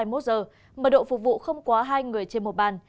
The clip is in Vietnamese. mà độ phục vụ không quá hai người trên một bàn